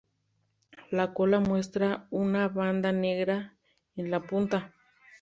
La cola muestra una banda negra en la punta.